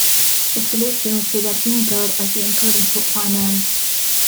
A solution was to adopt Unicode as the encoding for filenames.